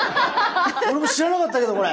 俺も知らなかったけどこれ。